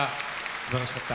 すばらしかった。